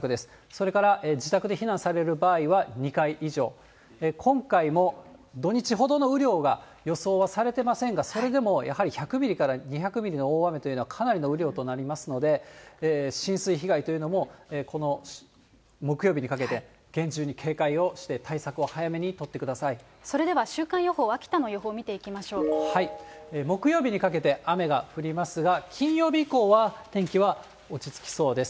それから自宅で避難される場合は、２階以上、今回も土日ほどの雨量が予想はされてませんが、それでもやはり１００ミリから２００ミリの大雨というのは、かなりの雨量となりますので、浸水被害というのもこの木曜日にかけて、厳重に警戒をして、それでは週間予報、秋田の予木曜日にかけて雨が降りますが、金曜日以降は天気は落ち着きそうです。